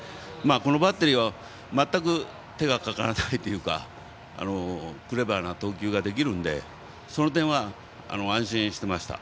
このバッテリーは全く手がかからないというかクレバーな投球ができるのでその点は安心していました。